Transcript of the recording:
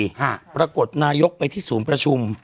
จึงปรากฏนายกไปที่สูมประชุม